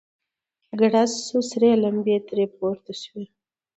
گړز سو سرې لمبې ترې پورته سوې.